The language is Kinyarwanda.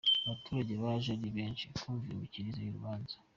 Abaturage baje ari benshi kumva imikirize y’urubanza.